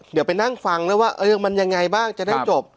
เดี๋ยวไปนั่งฟังแล้วว่ามันยังไงบ้างจะได้จบ